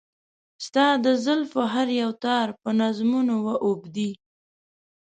ستا د زلفو هر يو تار په نظمونو و اوبدي .